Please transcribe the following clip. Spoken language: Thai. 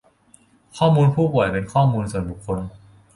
ข้อมูลผู้ป่วยเป็นข้อมูลส่วนบุคคล